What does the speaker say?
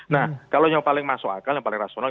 nah kalau yang paling masuk akal yang paling rasional